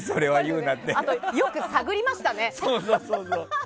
あと、よく探りましたね。